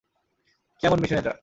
কী এমন মিশন এটা?